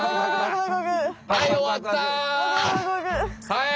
はい！